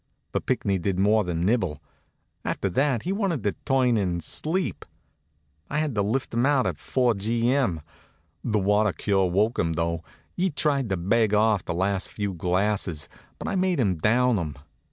But Pinckney did more than nibble. After that he wanted to turn in. Sleep? I had to lift him out at four G. M. The water cure woke him, though. He tried to beg off on the last few glasses, but I made him down 'em.